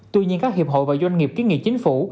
tuy nhiên các hiệp hội và doanh nghiệp kiến nghị chính phủ